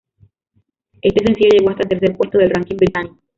Este sencillo llegó hasta el tercer puesto del ranking británico.